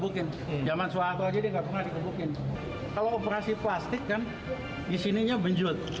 kalau operasi plastik kan disininya benjut